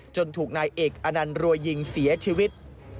ถูกนายเอกอนันต์รัวยิงเสียชีวิต